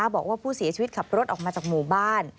บอกว่าผู้เสียชีวิตขับรถออกมาจากหมู่บ้าน